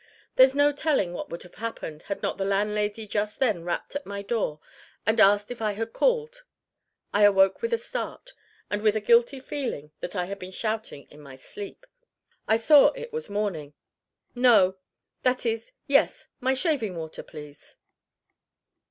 There's no telling what would have happened had not the landlady just then rapped at my door and asked if I had called. I awoke with a start and with the guilty feeling that I had been shouting in my sleep. I saw it was morning. "No that is, yes; my shaving water, please."